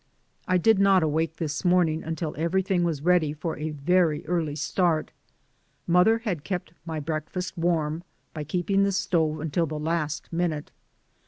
I did not awake this morn ing until everything was ready for a very early start. Mother had kept my breakfast warm by keeping the stove until the last minute.